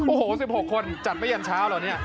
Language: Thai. โอ้โห๑๖คนจัดไม่ยันเช้าเหรอเนี่ย